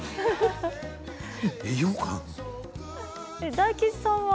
大吉さんは？